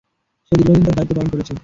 সে দীর্ঘদিন তার দায়িত্ব পালন করেছে।